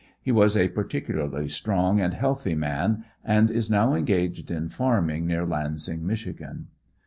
He was a particularly strong and healthy man, and is now engaged in farming near Lans ing, Michigan.